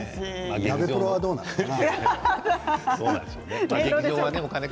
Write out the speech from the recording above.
ナベプロはどうなのかな。